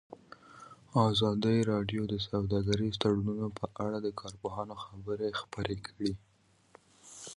ازادي راډیو د سوداګریز تړونونه په اړه د کارپوهانو خبرې خپرې کړي.